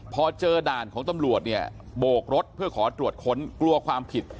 พอเจอด่านของตำรวจเนี่ยโบกรถเพื่อขอตรวจค้นกลัวความผิด